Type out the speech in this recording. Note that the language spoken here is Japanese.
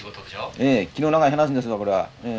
ええ気の長い話ですわこれはええ。